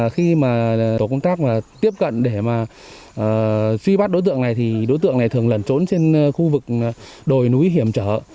khi tổ công tác tiếp cận để suy bắt đối tượng này đối tượng này thường lẩn trốn trên khu vực đồi núi hiểm trở